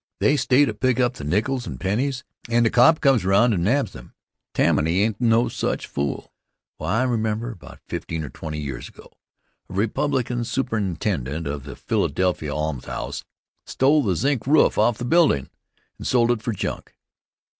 They stay to pick up the nickels and pennies and the cop comes and nabs them. Tammany ain't no such fool. Why, I remember, about fifteen or twenty years ago, a Republican superintendent of the Philadelphia almshouse stole the zinc roof off the buildin' and sold it for junk.